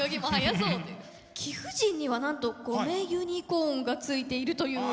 貴婦人にはなんとごめユニコーンがついているという。